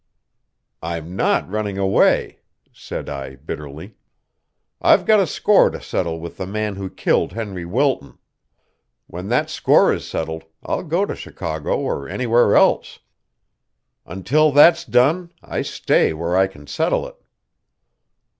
"I'm not running away," said I bitterly. "I've got a score to settle with the man who killed Henry Wilton. When that score is settled, I'll go to Chicago or anywhere else. Until that's done, I stay where I can settle it."